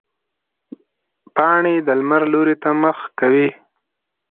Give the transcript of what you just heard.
پاڼې د لمر لوري ته مخ کوي